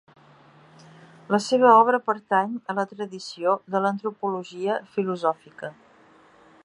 La seva obra pertany a la tradició de l'antropologia filosòfica.